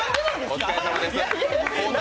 お疲れさまです。